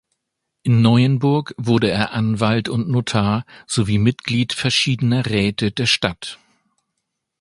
In Neuenburg wurde er Anwalt und Notar sowie Mitglied verschiedener Räte der Stadt.